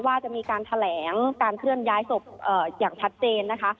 ว่าจะมีการแถลงการเคลื่อนย้ายศพอย่างชัดเจนนะคะ